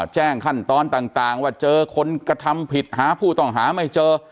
แจ้งขั้นตอนต่างว่าเจอคนกระทำผิดหาผู้ต้องหาไม่เจอ